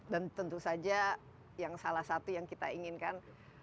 dan tentu saja yang salah satu yang kita inginkan